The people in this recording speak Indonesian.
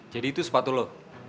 jadi itu sepatu lo